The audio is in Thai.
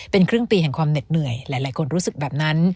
เป็นครึ่งปีแห่งความเหน็ดเหนื่อยหลายคนรู้สึกแบบนั้น